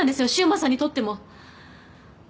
柊磨さんにとっても。